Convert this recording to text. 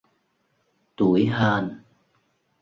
tủi hờn